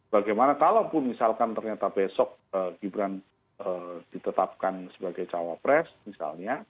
bagaimana kalaupun misalkan ternyata besok gibran ditetapkan sebagai cawapres misalnya